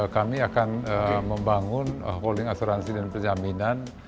kami akan membangun holding asuransi dan penjaminan